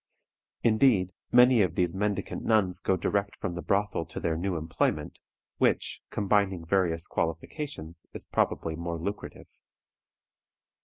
Indeed, many of these mendicant nuns go direct from the brothel to their new employment, which, combining various qualifications, is probably more lucrative.